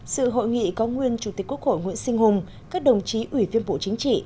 sự hội nghị có nguyên chủ tịch quốc hội nguyễn sinh hùng các đồng chí ủy viên bộ chính trị